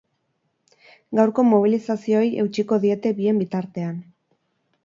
Gaurko mobilizazioei eutsiko diete bien bitartean.